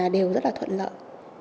đều rất thuận lợi